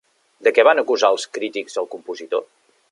De què van acusar els crítics al compositor?